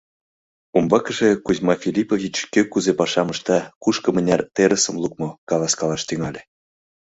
Умбакыже Кузьма Филиппович кӧ кузе пашам ышта, кушко мыняр терысым лукмо — каласкалаш тӱҥале.